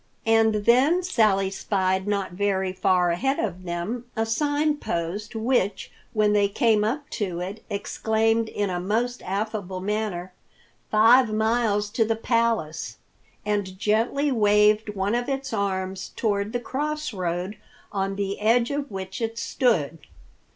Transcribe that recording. And then Sally spied not very far ahead of them a sign post, which, when they came up to it, exclaimed in a most affable manner, "Five miles to the Palace!" and gently waved one of its arms toward the cross road, on the edge of which it stood.